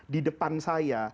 di depan saya